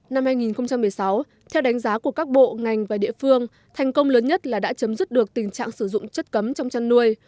năm hai nghìn một mươi sáu theo đánh giá của các bộ ngành và địa phương thành công lớn nhất là đã chấm dứt được tình trạng sử dụng chất cấm trong chăn nuôi